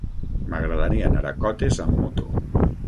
M'agradaria anar a Cotes amb moto.